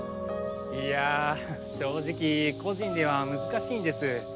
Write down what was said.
いやぁ正直個人では難しいんです。